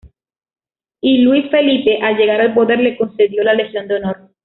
Y Luis Felipe, al llegar al poder le concedió la Legión de Honor.